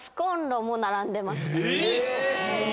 えっ